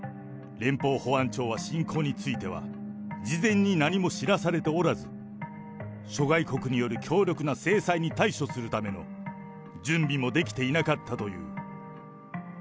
連邦保安庁は侵攻については、事前に何も知らされておらず、諸外国による強力な制裁に対処するための準備もできていなかったという。